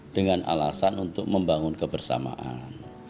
dengan alasan untuk membangun kebersamaan